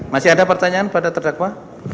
masih ada pertanyaan pada terdakwa